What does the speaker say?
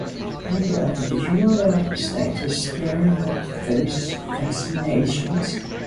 Hey bro! Did you know that the state is starting with forced vaccinations?